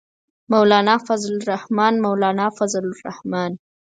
مولانا فضل الرحمن، مولانا فضل الرحمن.